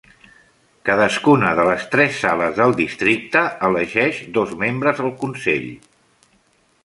Cadascuna de les tres sales del districte elegeix dos membres al consell.